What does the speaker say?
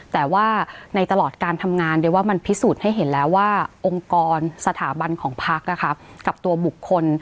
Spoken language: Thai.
แต่ว่าในตลอดการทำงานเดียวว่ามันพิสูจน์ให้เห็นแล้วว่าองค์กรสถาบันของพักกับตัวบุคคล